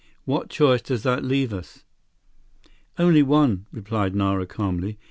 What choice does that leave us?" "Only one," replied Nara calmly.